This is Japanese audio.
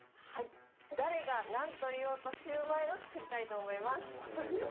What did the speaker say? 誰がなんと言おうとシューマイを作りたいと思います。